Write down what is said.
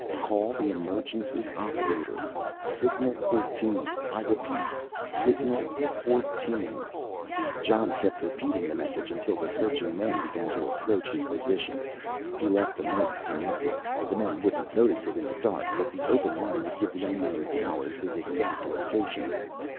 Call the emergency operator signal 14, I repeat signal 14." Jon kept repeating the message until the searching men began to approach his position. He left the mike connected the men wouldn't notice it in the dark but the open line would give the unknown powers his exact location.